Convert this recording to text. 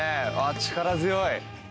力強い。